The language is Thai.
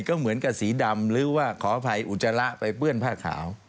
ก็เหมือนกับสีดำหรือว่าขออภัยอุจจาระไปเปื้อนผ้าขาว